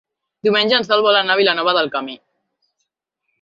Diumenge en Sol vol anar a Vilanova del Camí.